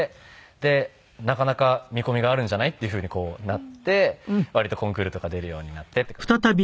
でなかなか見込みがあるんじゃない？っていうふうになって割とコンクールとか出るようになってっていう感じですね。